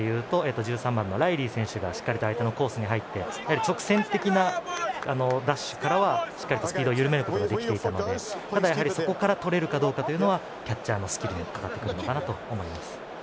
１３番のライリー選手がしっかり相手のコースに入って直線的なダッシュからはしっかりスピードを緩めることができたのでただ、そこからとれるかどうかはキャッチャーのスキルにかかってくるのかなと思います。